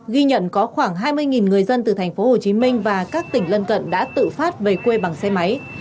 ghi nhận có khoảng hai mươi người dân từ thành phố hồ chí minh và các tỉnh lân cận đã tự phát về quê bằng xe máy